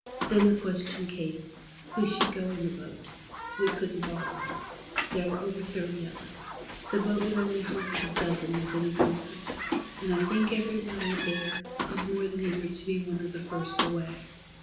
Then the question came: Who should go in the boat? We couldn't all go. There were over thirty of us. The boat would only hold a dozen with any comfort, and I think everybody there was more than eager to be one of the first away.